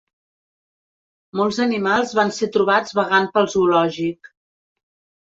Molts animals van ser trobats vagant pel zoològic.